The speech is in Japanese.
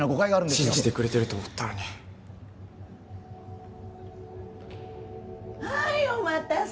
信じてくれてると思ったのにはいお待たせ